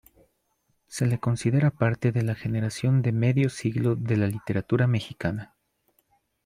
Se le considera parte de la generación de medio siglo de la literatura mexicana.